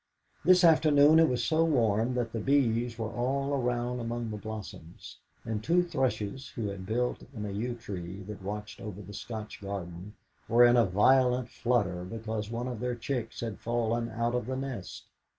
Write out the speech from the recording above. This afternoon it was so warm that the bees were all around among the blossoms, and two thrushes, who had built in a yew tree that watched over the Scotch garden, were in a violent flutter because one of their chicks had fallen out of the nest.